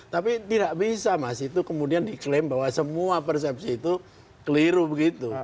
tapi tidak bisa mas itu kemudian diklaim bahwa semua persepsi itu keliru begitu